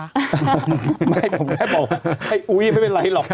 ผมก็แค่บอกอุยไม่เป็นไรหรอก